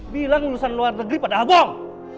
bilang lulusan luar negeri pada habong